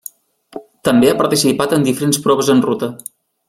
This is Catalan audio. També ha participat en diferents proves en ruta.